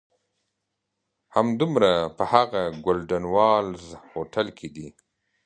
همدومره په هغه "ګولډن والز" هوټل کې دي.